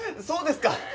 そうですか。